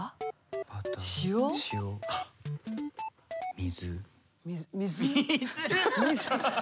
水？